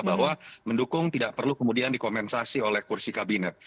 bahwa mendukung tidak perlu kemudian dikompensasi oleh kursi kabinet